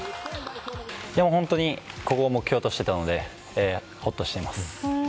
もう本当に、ここを目標としていたので、ほっとしています。